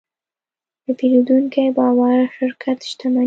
د پیرودونکي باور د شرکت شتمني ده.